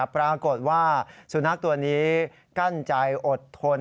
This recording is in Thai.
ปรากฏว่าสุนัขตัวนี้กั้นใจอดทน